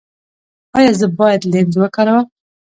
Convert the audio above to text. ایا زه باید لینز وکاروم؟